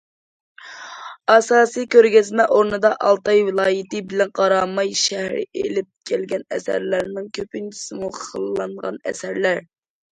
ئاساسىي كۆرگەزمە ئورنىدا ئالتاي ۋىلايىتى بىلەن قاراماي شەھىرى ئېلىپ كەلگەن ئەسەرلەرنىڭ كۆپىنچىسىمۇ خىللانغان ئەسەرلەر.